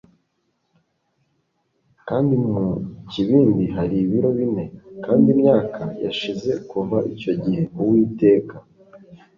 kandi mu kibindi hari ibiro bine. kandi imyaka yashize kuva icyo gihe, uwiteka